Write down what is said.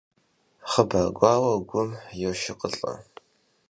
Хъыбар гуауэр гум йошыкъылӀэ.